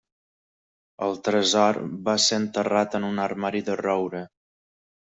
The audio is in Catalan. El tresor va ser enterrat en un armari de roure.